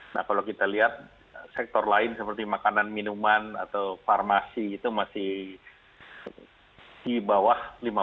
nah kalau kita lihat sektor lain seperti makanan minuman atau farmasi itu masih di bawah lima puluh